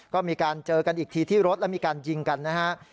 ก็มีการเจอกันอีกทีที่รถแล้วมีการยิงกันนะฮะ